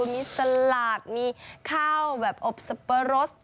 มีสลาดมีข้าวแบบอบสับปะรส